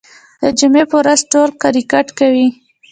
د جمعې په ورځ ټول کرکټ کوي.